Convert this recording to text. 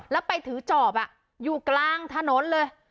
แล้วไปถือจอบอยู่กลางถนนเลย